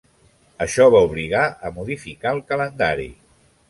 Això va obligar a modificar el calendari.